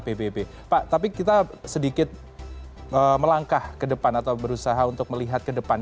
pbb pak tapi kita sedikit melangkah ke depan atau berusaha untuk melihat ke depan